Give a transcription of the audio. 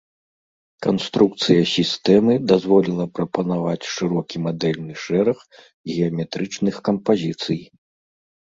Канструкцыя сістэмы дазволіла прапанаваць шырокі мадэльны шэраг геаметрычных кампазіцый.